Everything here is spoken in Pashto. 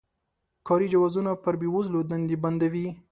کاري جوازونه پر بې وزلو دندې بندوي.